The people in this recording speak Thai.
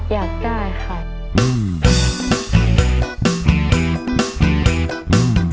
อยากได้ค่ะ